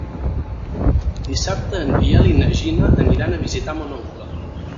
Dissabte en Biel i na Gina aniran a visitar mon oncle.